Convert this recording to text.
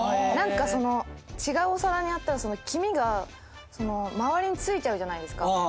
何か違うお皿にやったら黄身が周りに付いちゃうじゃないですか。